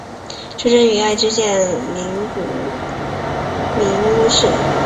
出生于爱知县名古屋市。